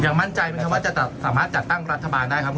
มั่นใจไหมครับว่าจะสามารถจัดตั้งรัฐบาลได้ครับ